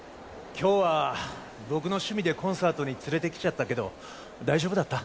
今日は僕の趣味でコンサートに連れてきちゃったけど大丈夫だった？